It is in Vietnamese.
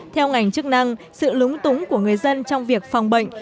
theo ngành chức năng sự lúng túng của người dân trong việc phòng bệnh